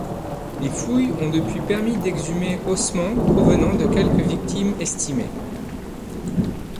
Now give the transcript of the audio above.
Les fouilles ont depuis permis d'exhumer ossements provenant des quelque victimes estimées.